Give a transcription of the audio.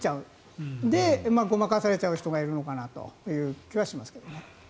それでごまかされちゃう人がいるのかなって気はしますけど。